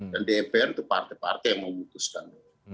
dan di mpr itu partai partai yang memutuskan